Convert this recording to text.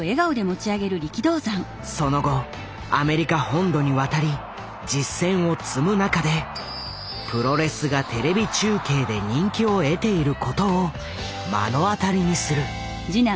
その後アメリカ本土に渡り実戦を積む中でプロレスが「テレビ中継」で人気を得ていることを目の当たりにする。